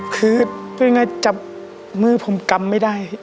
คือยังไงจับมือผมกำไม่ได้